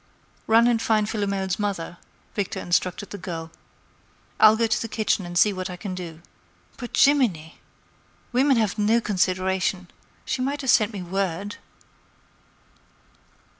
"Run and find Philomel's mother," Victor instructed the girl. "I'll go to the kitchen and see what I can do. By Gimminy! Women have no consideration! She might have sent me word."